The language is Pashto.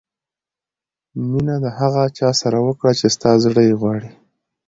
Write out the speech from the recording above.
مینه د هغه چا سره وکړه چې ستا زړه یې غواړي.